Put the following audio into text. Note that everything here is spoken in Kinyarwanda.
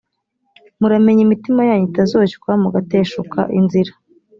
muramenye, imitima yanyu itazoshywa mugateshuka inzira,